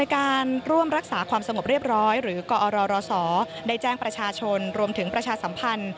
กอรรสได้แจ้งประชาชนรวมถึงประชาสัมพันธ์